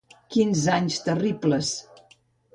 Quins anys terribles!